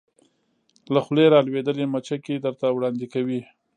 له خولې را لویدلې مچکې درته وړاندې کوې